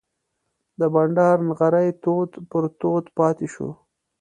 د بانډار نغری تود پر تود پاتې شو.